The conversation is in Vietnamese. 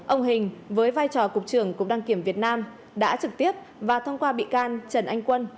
ông hình với vai trò cục trưởng cục đăng kiểm việt nam đã trực tiếp và thông qua bị can trần anh quân